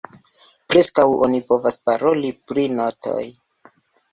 Preskaŭ oni povas paroli pri notoj.